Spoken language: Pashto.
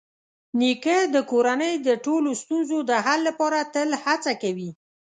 نیکه د کورنۍ د ټولو ستونزو د حل لپاره تل هڅه کوي.